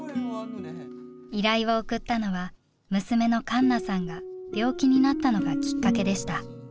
依頼を送ったのは娘の栞奈さんが病気になったのがきっかけでした。